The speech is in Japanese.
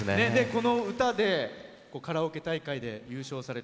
この歌でカラオケ大会で優勝されて。